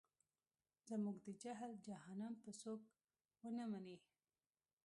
زموږ د جهل جهنم به څوک ونه مني.